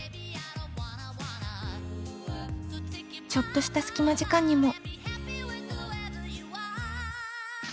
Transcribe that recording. ちょっとした隙間時間にも。